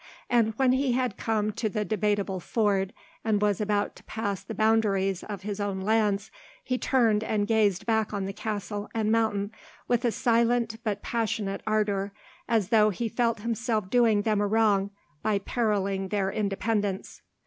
And when he had come to the Debateable Ford, and was about to pass the boundaries of his own lands, he turned and gazed back on the castle and mountain with a silent but passionate ardour, as though he felt himself doing them a wrong by perilling their independence.